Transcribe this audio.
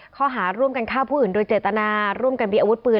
ข้อหาร่วมกันฆ่าผู้อื่นโดยเจตนาร่วมกันมีอาวุธปืน